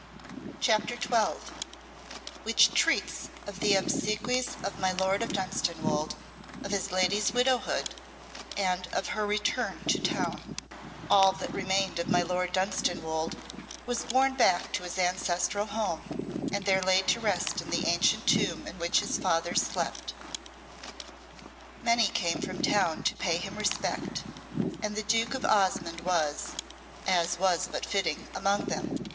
CHAPTER XII Which treats of the obsequies of my Lord of Dunstanwolde, of his lady's widowhood, and of her return to town All that remained of my Lord Dunstanwolde was borne back to his ancestral home, and there laid to rest in the ancient tomb in which his fathers slept. Many came from town to pay him respect, and the Duke of Osmonde was, as was but fitting, among them.